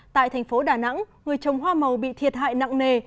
tại thành phố đà nẵng người trồng hoa màu bị thiệt hại nặng nề